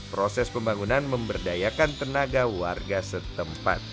proses pembangunan memberdayakan tenaga warga setempat